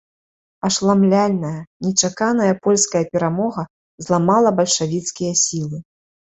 Ашаламляльная, нечаканая польская перамога зламала бальшавіцкія сілы.